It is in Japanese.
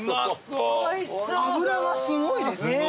脂がすごいです。